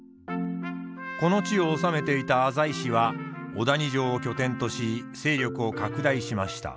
この地を治めていた浅井氏は小谷城を拠点とし勢力を拡大しました。